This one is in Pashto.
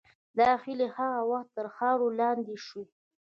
دا هیلې هغه وخت تر خاورې لاندې شوې.